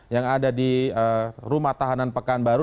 yang ada di rumah tahanan pekanbaru